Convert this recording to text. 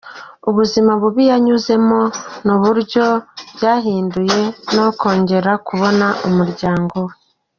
Ubuzima bubi yanyuzemo n’uburyo bwahinduye no kongera kubona umuryango.